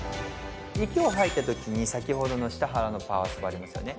息を吐いたときに先ほどの下腹のパワスポありますよね